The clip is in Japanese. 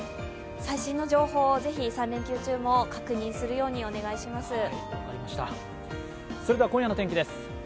最新の情報をぜひ３連休中も確認するようにお願いします。